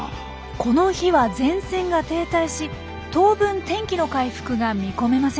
この日は前線が停滞し当分天気の回復が見込めませんでした。